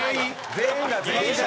全員が全員。